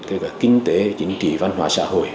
kể cả kinh tế chính trị văn hóa xã hội